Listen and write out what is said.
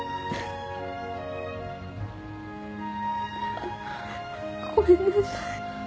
あのごめんなさい。